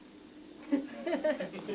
フフフフ。